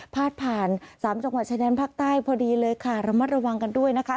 พาดผ่านสามจังหวัดชายแดนภาคใต้พอดีเลยค่ะระมัดระวังกันด้วยนะคะ